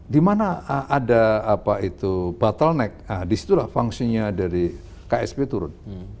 di mana ada apa itu bottleneck disitulah fungsinya dari ksp turun